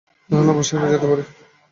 তাহলে, আমরা সেখানে যেতে পারি।